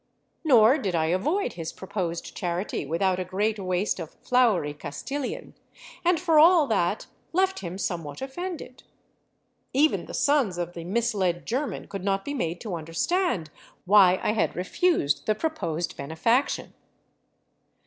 Nor did I avoid his proposed charity without a great waste of flowery Castilian, and for all that left him somewhat offended. Even the sons of the misled German could not be made to under stand why I had refused the proposed benefaction.